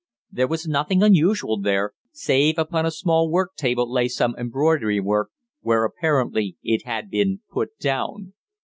There was nothing unusual there, save upon a small work table lay some embroidery work, where apparently it had been put down.